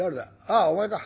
ああお前か。